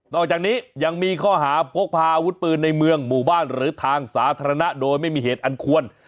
อกจากนี้ยังมีข้อหาพกพาอาวุธปืนในเมืองหมู่บ้านหรือทางสาธารณะโดยไม่มีเหตุอันควร